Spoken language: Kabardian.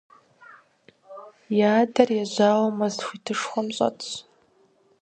Я адэр ежьауэ мэз хуитышхуэм щӀэтщ.